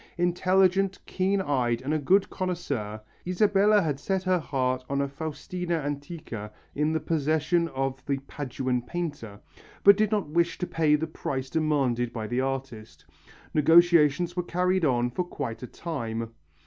Intelligent, keen eyed and a good connoisseur, Isabella had set her heart on a Faustina antica in the possession of the Paduan painter, but did not wish to pay the price demanded by the artist. Negotiations were carried on for quite a time.